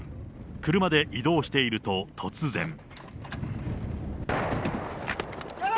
車で移動していると、突然。